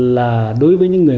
là đối với những người